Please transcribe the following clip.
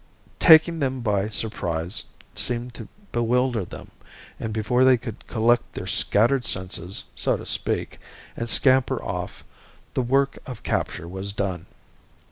Taking them by surprise seemed to bewilder them and before they could collect their scattered senses, so to speak, and scamper off, the work of capture was done.